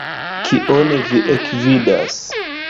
Kion vi ekvidas?